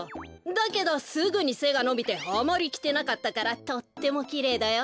だけどすぐにせがのびてあまりきてなかったからとってもきれいだよ。